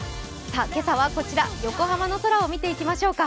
今朝はこちら、横浜の空を見ていきましょうか。